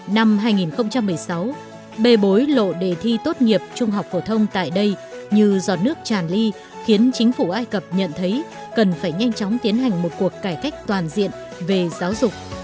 năm hai nghìn một mươi sáu bề bối lộ đề thi tốt nghiệp trung học phổ thông tại đây như giọt nước tràn ly khiến chính phủ ai cập nhận thấy cần phải nhanh chóng tiến hành một cuộc cải cách toàn diện về giáo dục